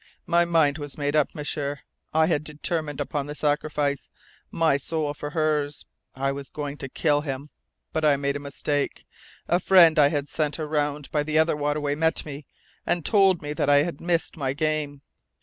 My mind was made up, M'sieur. I had determined upon the sacrifice: my soul for hers. I was going to kill him. But I made a mistake. A friend I had sent around by the other waterway met me, and told me that I had missed my game.